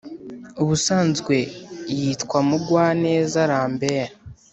Ubusanzwe yitwa Mugwaneza Lambert